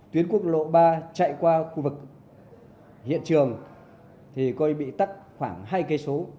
tuyến quốc lộ ba chạy qua khu vực hiện trường thì coi bị tắt khoảng hai km